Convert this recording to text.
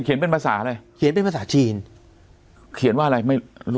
เป็นภาษาอะไรเขียนเป็นภาษาจีนเขียนว่าอะไรไม่รู้